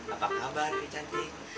apa kabar rere cantik